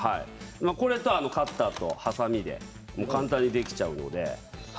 これとカッターとはさみで簡単にできちゃうので。